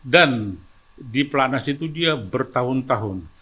dan di pelatnas itu dia bertahun tahun